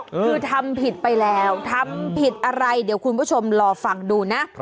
คือทำผิดไปแล้วทำผิดอะไรเดี๋ยวคุณผู้ชมรอฟังดูนะ